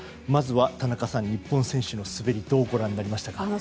まずは田中さん、日本選手の滑りどうご覧になりましたか。